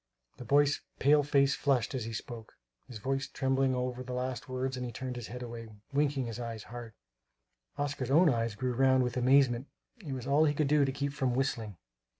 The boy's pale face flushed as he spoke; his voice trembled over the last words and he turned his head away, winking his eyes hard. Oscar's own eyes grew round with amazement; it was all he could do to keep from whistling.